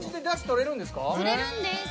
とれるんです。